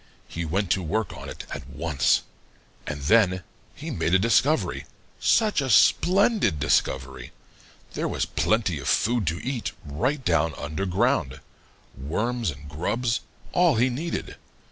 He went to work on it at once. And then he made a discovery such a splendid discovery! There was plenty of food to eat right down under ground worms and grubs all he needed.